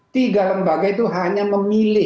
tiga lembaga itu hanya memilih